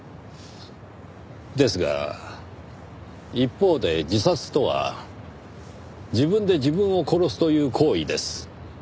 ですが一方で自殺とは自分で自分を殺すという行為です。